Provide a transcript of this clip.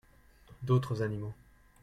D'autres animaux.